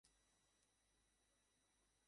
আরে ভাই, দুনিয়াতে সব জিনিসেরই নির্দিষ্ট মেয়াদ থাকে।